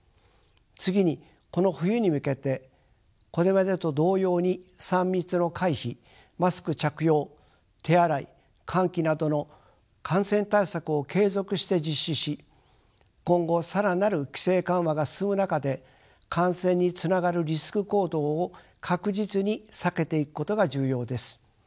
次にこの冬に向けてこれまでと同様に３密の回避マスク着用手洗い換気などの感染対策を継続して実施し今後更なる規制緩和が進む中で感染につながるリスク行動を確実に避けていくことが重要です。